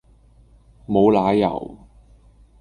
無奶油